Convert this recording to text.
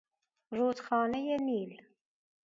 رودخانه نیل